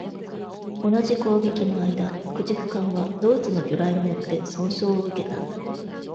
同じ攻撃の間、駆逐艦はドイツの魚雷によって損傷を受けた。